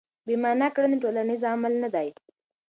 بې مانا کړنې ټولنیز عمل نه دی.